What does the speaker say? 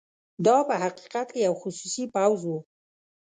دا په حقیقت کې یو خصوصي پوځ وو.